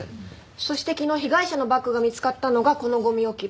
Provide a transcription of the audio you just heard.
そして昨日被害者のバッグが見つかったのがこのゴミ置き場。